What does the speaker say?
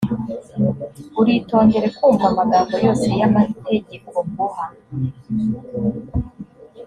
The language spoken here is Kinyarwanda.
uritondere kumva amagambo yose y’amategeko nguha,